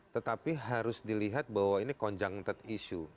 tetapi harus dilihat bahwa ini konjang tet isu